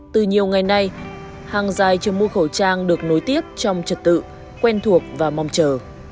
từ nhiều ngày nay hàng dài chờ mua khẩu trang được nối tiếp trong trật tự quen thuộc và mong chờ